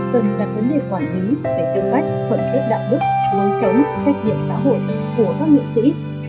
cần đặt vấn đề quản lý về tư cách phẩm chất đạo đức lối sống trách nhiệm xã hội của các nghệ sĩ